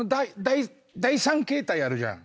⁉第３形態あるじゃん。